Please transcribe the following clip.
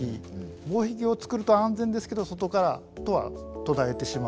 防壁をつくると安全ですけど外からとは途絶えてしまう。